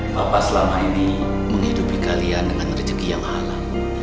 papa selama ini menghidupi kalian dengan rezeki yang halal